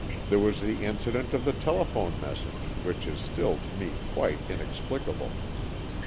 There was the incident of the telephone message, which is still to me quite inexplicable.